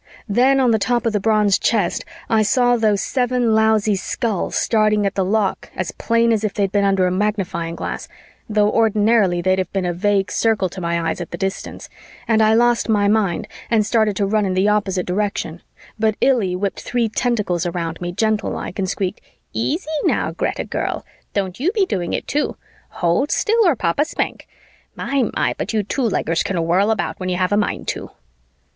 Then, on the top of the bronze chest, I saw those seven lousy skulls starting at the lock as plain as if they'd been under a magnifying glass, though ordinarily they'd have been a vague circle to my eyes at the distance, and I lost my mind and started to run in the opposite direction, but Illy whipped three tentacles around me, gentle like, and squeaked, "Easy now, Greta girl, don't you be doing it, too. Hold still or Papa spank. My, my, but you two leggers can whirl about when you have a mind to."